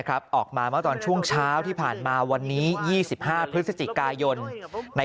ออกมาเมื่อตอนช่วงเช้าที่ผ่านมาวันนี้๒๕พฤศจิกายนใน